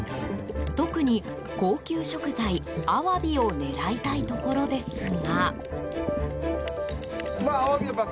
特に、高級食材アワビを狙いたいところですが。